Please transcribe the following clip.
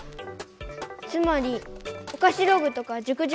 つまりおかしログとか塾塾